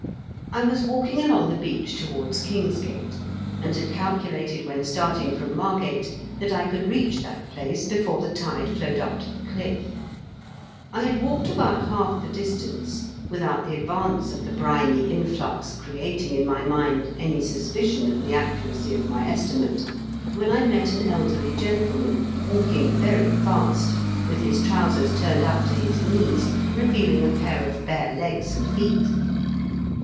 I was walking along the beach towards Kingsgate, and had calculated when starting from Margate that I could reach that place before the tide flowed up to the r^liff . I had walked about half the distance without the advance of the briny influx creating in my mind any suspicion of the accuracy of my estimate, when I met an elderly gentleman, walking very fast, with his trousers turned up to his knees, revealing a pair of bare legs and feet.